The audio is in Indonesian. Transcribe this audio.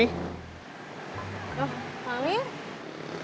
loh pak amir